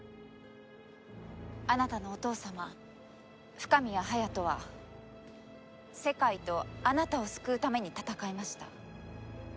あなたのお父様富加宮隼人は世界とあなたを救うために戦いました。